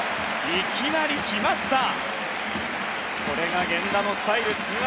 いきなり来ましたね。